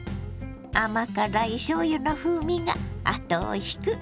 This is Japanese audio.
甘辛いしょうゆの風味が後を引くおいしさですよ。